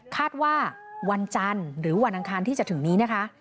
ว่าวันจันทร์หรือวันอังคารที่จะถึงนี้นะคะ